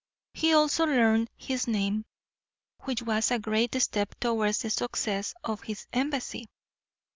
He also learned his name, which was a great step towards the success of his embassy.